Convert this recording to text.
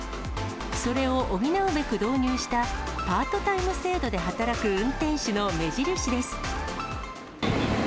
それを補うべく導入したパートタイム制度で働く運転手の目印です。